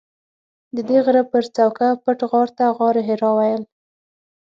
ددې غره پر څوکه پټ غار ته غارحرا ویل.